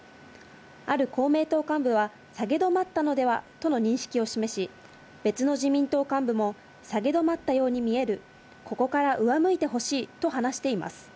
ある公明党幹部は下げ止まったのではとの認識を示し、別の自民党幹部も下げ止まったように見える、ここから上向いてほしいと話しています。